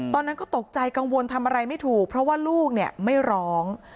ตอนนั้นก็ตกใจกังวลทำอะไรไม่ถูกเพราะว่าลูกเนี่ยไม่ร้อง